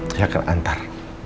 saya akan antar